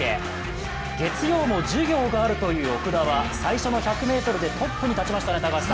月曜も授業があるという奥田は最初の１００ｍでトップに立ちましたね。